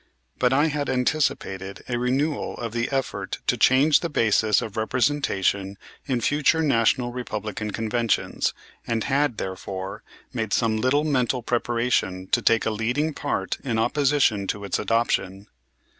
But I had anticipated a renewal of the effort to change the basis of representation in future National Republican Conventions, and had, therefore, made some little mental preparation to take a leading part in opposition to its adoption.